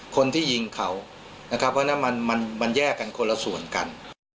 คนที่ยิงเขานะครับเพราะฉะนั้นมันแยกกันคนละส่วนกัน